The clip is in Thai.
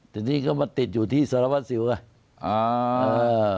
แต่นี่ก็มาติดอยู่ที่สารวัสสิวไง